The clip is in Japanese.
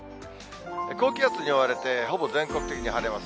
高気圧に覆われて、ほぼ全国的に晴れます。